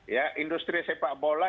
ya industri sepak bola